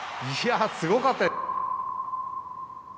いやすごかった。